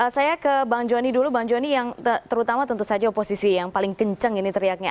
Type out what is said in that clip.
saya ke bang joni dulu bang joni yang terutama tentu saja oposisi yang paling kencang ini teriaknya